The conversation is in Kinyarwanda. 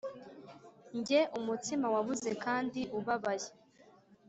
njye, umutsima wabuze kandi ubabaye.